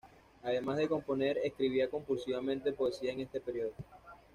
Además de componer, escribía compulsivamente poesía en este periodo.